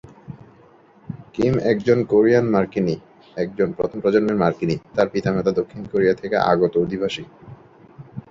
Kim একজন Korean মার্কিনী, একজন প্রথম প্রজন্মের মার্কিনী, তার পিতা-মাতা দক্ষিণ কোরিয়া থেকে আগত অধিবাসী।